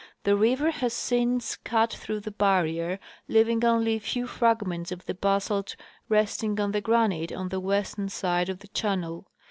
The river has since cut through the barrier, leaving only a few fragments of the basalt resting on the granite on the western side of the channel.